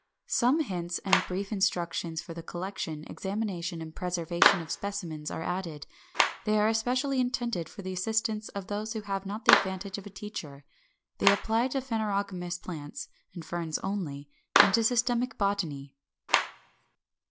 555. Some hints and brief instructions for the collection, examination, and preservation of specimens are added. They are especially intended for the assistance of those who have not the advantage of a teacher. They apply to phanerogamous plants and Ferns only, and to systematic botany.